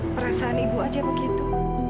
perasaan ibu aja begitu